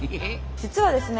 実はですね